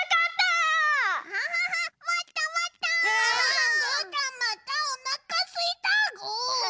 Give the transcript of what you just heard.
ぐーたんまたおなかすいたぐ。